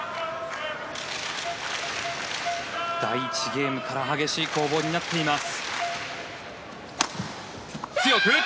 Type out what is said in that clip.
第１ゲームから激しい攻防になっています。